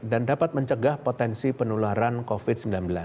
dan dapat mencegah potensi penularan covid sembilan belas